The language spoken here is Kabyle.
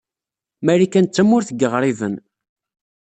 Marikan d tamuṛt n yiɣriben.